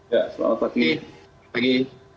ya selamat pagi